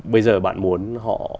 bây giờ bạn muốn họ